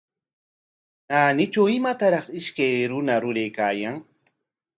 Naanitraw imataraq ishkay runa ruraykaayan.